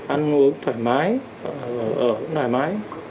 ăn uống thoải mái ở cũng thoải mái